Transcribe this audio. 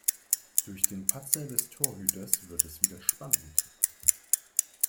Durch den Patzer des Torhüters wird es wieder spannend.